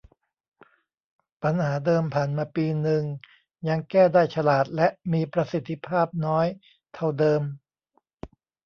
ปัญหาเดิมผ่านมาปีนึงยังแก้ได้ฉลาดและมีประสิทธิภาพน้อยเท่าเดิม